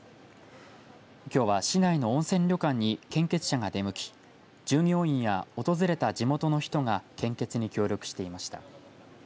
きょうは市内の温泉旅館に献血車が出向き従業員や訪れた地元の人が献血に協力していました。